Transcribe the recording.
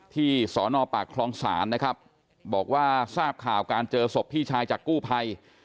ที่สอนอปากคลองศาลนะครับบอกว่าทราบข่าวการเจอศพพี่ชายจากกู้ภัย